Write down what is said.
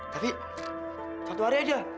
tapi satu hari aja